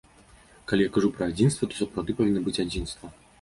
Калі я кажу пра адзінства, то сапраўды павінна быць адзінства.